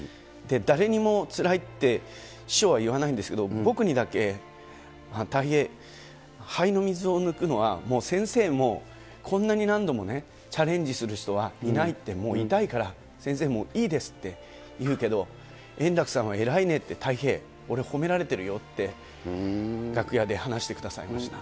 誰にもつらいって、師匠は言わないんですけど、僕にだけ、たい平、肺の水を抜くのはもう先生も、こんなに何度もね、チャレンジする人はいないって、もう痛いから、先生もういいですって言うけど、円楽さんは偉いねって、たい平、俺、褒められてるよって楽屋で話してくださいました。